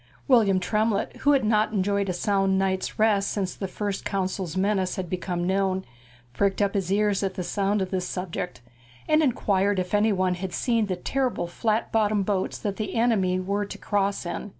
William Tremlett, who had not enjoyed a sound night's rest since the First Consul's menace had become known, pricked up his ears at sound of this subject, and inquired if anybody had seen the terrible flat bottomed boats that the enemy were to cross in.